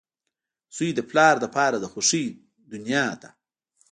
• زوی د پلار لپاره د خوښۍ دنیا ده.